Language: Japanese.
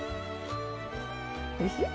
おいしい？